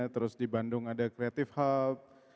terus di bandung ada creative hub